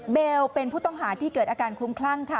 เบลเป็นผู้ต้องหาที่เกิดอาการคลุ้มคลั่งค่ะ